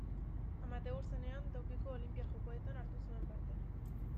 Amateur zenean, Tokioko Olinpiar Jokoetan hartu zuen parte.